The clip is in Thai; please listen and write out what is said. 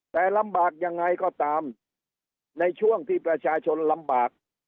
แต่ลำบากยังไงก็ตามในช่วงที่ประชาชนลำบาก